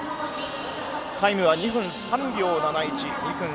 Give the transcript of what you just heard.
タイムは２分３秒７１。